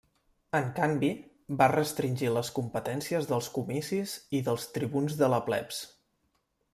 En canvi, va restringir les competències dels comicis i dels tribuns de la plebs.